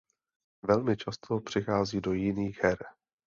Velmi často přechází do jiných her.